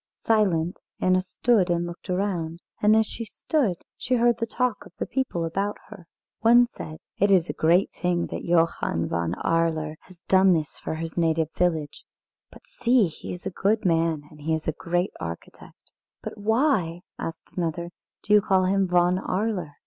Silent, Anna stood and looked around. And as she stood she heard the talk of the people about her. One said: "It is a great thing that Johann von Arler has done for his native village. But see, he is a good man, and he is a great architect." "But why," asked another, "do you call him Von Arler?